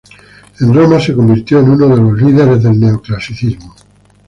En Roma se convirtió en uno de los líderes del neoclasicismo.